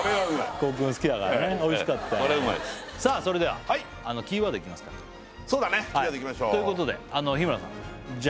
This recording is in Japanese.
香薫好きだからねおいしかったこれうまいですさあそれではキーワードいきますかそうだねキーワードいきましょうということで日村さんじゃあ